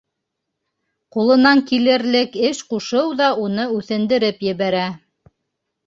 Ҡулынан килерлек эш ҡушыу ҙа уны үҫендереп ебәрә.